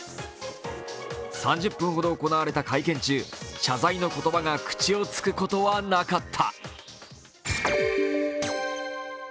３０分ほど行われた会見中謝罪の言葉が口をつくことはなかった。